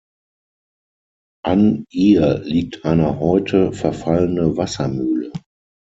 An ihr liegt eine heute verfallene Wassermühle.